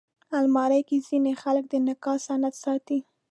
الماري کې ځینې خلک د نکاح سند ساتي